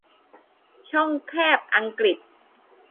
ช่องแคบอังกฤษ